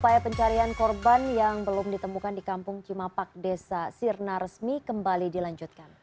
upaya pencarian korban yang belum ditemukan di kampung cimapak desa sirna resmi kembali dilanjutkan